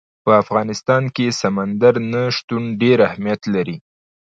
په افغانستان کې سمندر نه شتون ډېر اهمیت لري.